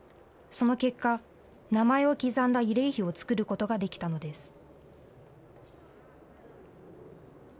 その結果、名前を刻んだ慰霊碑を作ることができたのです。